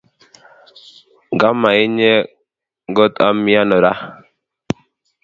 Nga ma inye ngot ami ano ra